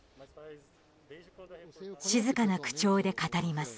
静かな口調で語ります。